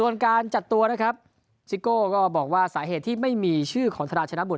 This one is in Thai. ส่วนการจัดตัวนะครับซิโก้ก็บอกว่าสาเหตุที่ไม่มีชื่อของธนาชนะบุต